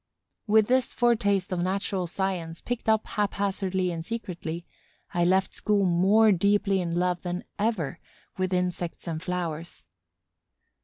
With this foretaste of natural science, picked up haphazard and secretly, I left school more deeply in love than ever with insects and flowers.